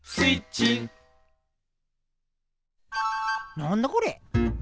なんだこれ？